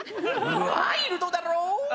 ワイルドだろぉ？